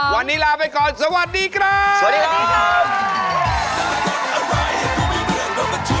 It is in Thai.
๖โมงเย็นทางไทยรัฐทีวีช่อง๓๒